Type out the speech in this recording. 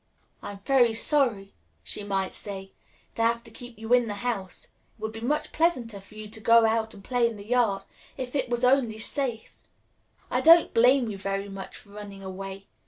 "I am very sorry," she might say, "to have to keep you in the house. It would be much pleasanter for you to go out and play in the yard, if it was only safe. I don't blame you very much for running away.